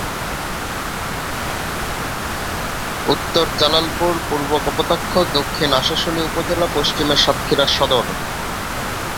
উঃ-জালালপুর, পূঃ-কপোতাক্ষ, দঃ আশাশুনি উপজেলা, পশ্চিমে সাতক্ষীরা সদর।